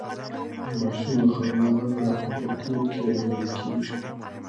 د ماشوم د خندا غږ لا هم په کور کې اورېدل کېږي.